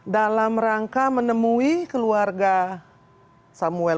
dalam rangka menemui keluarga samuel